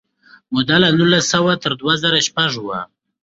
موده له نولس سوه تر دوه زره شپږ وه.